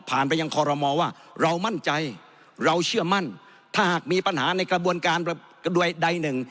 ไปยังคอรมอว่าเรามั่นใจเราเชื่อมั่นถ้าหากมีปัญหาในกระบวนการใดหนึ่ง